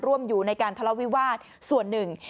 ร่วมอยู่ในการทะเลาวิวาสส่วนหนึ่ง